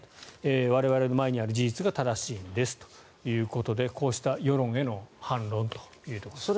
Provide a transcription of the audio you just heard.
我々の前にある事実が正しいんですということでこうした世論への反論というところですね。